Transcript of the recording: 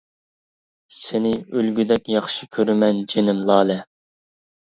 -سېنى ئۆلگۈدەك ياخشى كۆرىمەن جېنىم لالە!